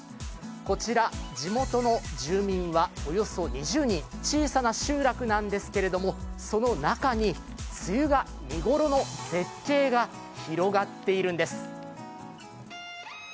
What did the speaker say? こちら、地元の住民はおよそ２０人小さな集落なんですけどもその中に梅雨が見頃の絶景が広がっているんです。